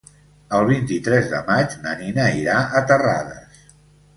El vint-i-tres de maig na Nina irà a Terrades.